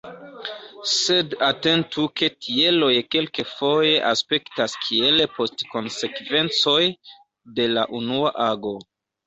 Sed atentu ke tieloj kelkfoje aspektas kiel postkonsekvencoj de la unua ago.